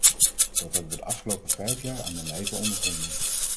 Dat hebben we de afgelopen vijf jaar aan den lijve ondervonden.